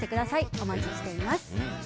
お待ちしています。